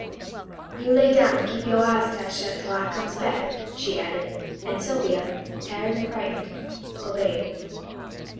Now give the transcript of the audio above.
"You lay down and keep your eyes tight shut till I comes back," she added, and Sylvia, tired and frightened, obeyed.